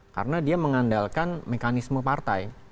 karena dia mengandalkan mekanisme partai